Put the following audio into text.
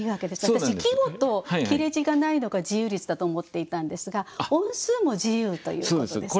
私季語と切れ字がないのが自由律だと思っていたんですが音数も自由ということですか。